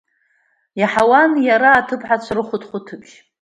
Иаҳауан иара аҭыԥҳацәа рыхәыҭхәыҭыбжь.